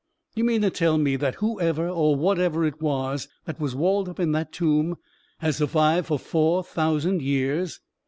" You mean to tell me that whoever or whatever it was that was walled up in that tomb has survived for four thousand years?